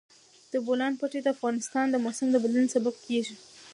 د بولان پټي د افغانستان د موسم د بدلون سبب کېږي.